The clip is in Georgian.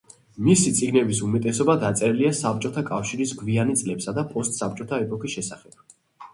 მისი წიგნების უმეტესობა დაწერილია საბჭოთა კავშირის გვიანი წლებსა და პოსტსაბჭოთა ეპოქის შესახებ.